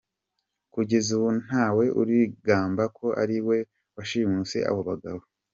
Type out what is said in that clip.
Kugeza ubu ntawe urigamba ko ari we washimuse abo bagabo.